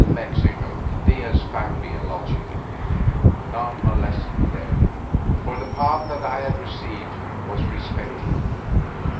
In Mexico Diaz found me a lodging. None molested me there, for the pardon that I had received was respected.